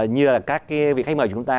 như là các vị khách mời chúng ta